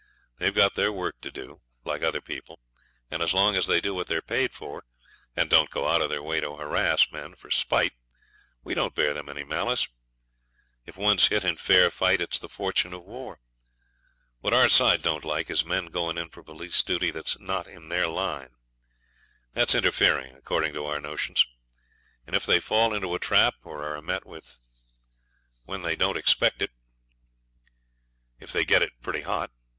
They've got their work to do, like other people, and as long as they do what they're paid for, and don't go out of their way to harass men for spite, we don't bear them any malice. If one's hit in fair fight it's the fortune of war. What our side don't like is men going in for police duty that's not in their line. That's interfering, according to our notions, and if they fall into a trap or are met with when they don't expect it they get it pretty hot.